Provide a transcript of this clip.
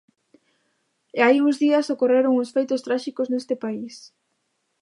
E hai uns días ocorreron uns feitos tráxicos neste país.